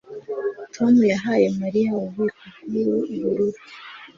Tom yahaye Mariya ububiko bwubururu